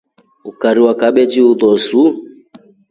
Ukari na kabeshi ulosu.